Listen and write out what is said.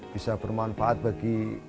bisa bermanfaat bagi